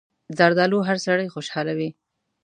زردالو هر سړی خوشحالوي.